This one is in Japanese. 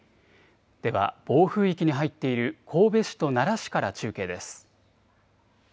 では暴風域に入っている神戸市と奈良市から中継です。